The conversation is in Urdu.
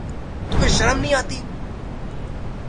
تمہیں شرم نہیں آتی؟